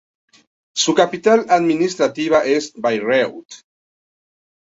Su capital administrativa es Bayreuth.